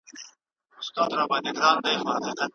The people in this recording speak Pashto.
دا پر کیسو باندي مین دي په نکلو جوړیږي